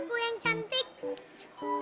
kue yang cantik